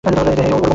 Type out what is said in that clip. হেই, Arumugam!